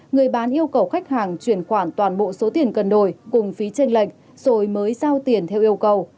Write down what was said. người bán yêu cầu khách hàng chuyển khoản toàn bộ số tiền cần đổi cùng phí tranh lệch rồi mới sao tiền theo yêu cầu